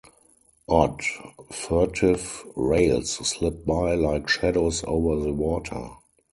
Odd, furtive rails slipped by like shadows over the water.